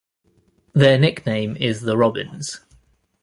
Their nickname is the Robins.